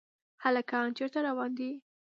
هلکان چېرته روان دي ؟